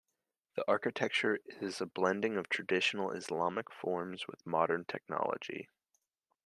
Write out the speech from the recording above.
The architecture is a blending of traditional Islamic forms with modern technology.